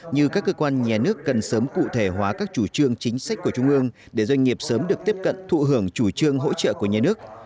như các cơ quan nhà nước cần sớm cụ thể hóa các chủ trương chính sách của trung ương để doanh nghiệp sớm được tiếp cận thụ hưởng chủ trương hỗ trợ của nhà nước